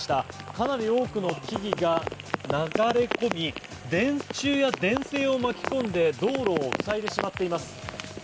かなり多くの木々が流れ込み電柱や電線を巻き込んで道路を塞いでしまっています。